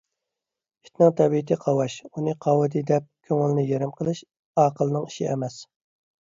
ئىتنىڭ تەبىئىتى قاۋاش. ئۇنى قاۋىدى دەپ، كۆڭۈلنى يېرىم قىلىش ئاقىلنىڭ ئىشى ئەمەس.